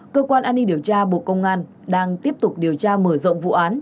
cơ quan an ninh điều tra bộ công an đang tiếp tục điều tra mở rộng vụ án